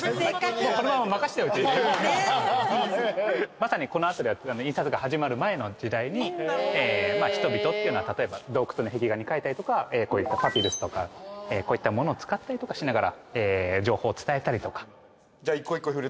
まさにこの辺りは印刷が始まる前の時代に人々っていうのは例えば洞窟の壁画にかいたりとかパピルスとかこういったものを使ったりとかしながら情報を伝えたりとか。